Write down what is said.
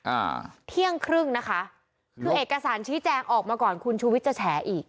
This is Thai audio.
อ่าเที่ยงครึ่งนะคะคือเอกสารชี้แจงออกมาก่อนคุณชูวิทย์จะแฉอีก